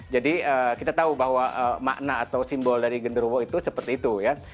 jadi kita tahu bahwa makna atau simbol dari gendruwo itu seperti itu ya